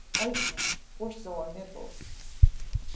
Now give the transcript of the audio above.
Ointment for Sore Nipples.